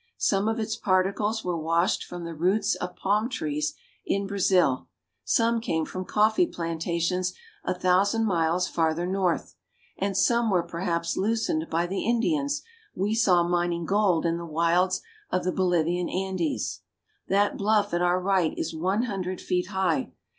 Some of its particles were washed from the roots of palm trees in Brazil, some came from coffee plantations a thousand miles farther north, and some were perhaps loosened by the Indians we saw mining gold in the wilds of the Bolivian Andes. That bluff at our right is one hundred feet high.